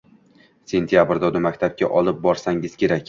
Sentyabrda uni maktabga olib borsangiz kerak